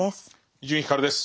伊集院光です。